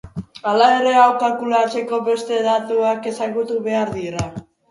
Hala ere, hau kalkulatzeko beste datuak ezagutu behar dira.